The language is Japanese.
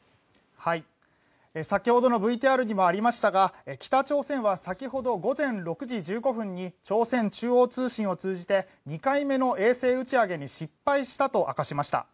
先ほどのＶＴＲにもありましたが北朝鮮は先ほど午前６時１５分に朝鮮中央通信を通じて２回目の衛星打ち上げに失敗したと明かしました。